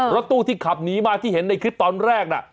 รถตู้ที่ขับหนีมาที่เห็นในคลิปตอนแรกน่ะ